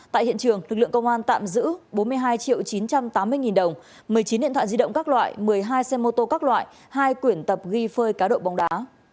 tại hiện trường lực lượng công an tạm giữ bốn mươi hai chín trăm tám mươi nghìn đồng một mươi chín điện thoại di động các loại một mươi hai xe mô tô các loại hai quyển tập ghi phơi cá độ bóng đá